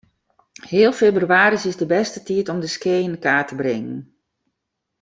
Heal febrewaris is de bêste tiid om de skea yn kaart te bringen.